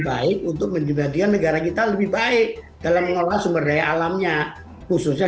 baik untuk menjadikan negara kita lebih baik dalam mengelola sumber daya alamnya khususnya